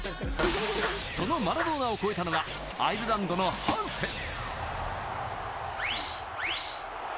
そのマラドーナを超えたのがアイルランドのハンセン。